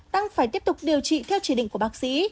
tăng phải tiếp tục điều trị theo chỉ định của bác sĩ